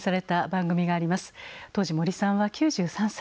当時森さんは９３歳。